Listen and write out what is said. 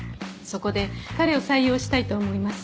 そこで彼を採用したいと思います。